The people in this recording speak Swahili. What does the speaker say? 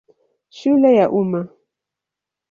Shule ya Umma.